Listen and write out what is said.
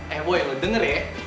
eh way lu denger ya